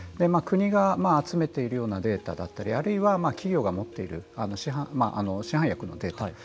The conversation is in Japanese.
国が集めているようなデータだったりあるいは企業が持っている市販薬のデータ